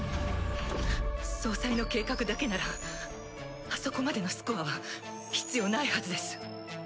総裁の計画だけならあそこまでのスコアは必要ないはずです。